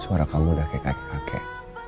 suara kamu udah kayak kakek kakek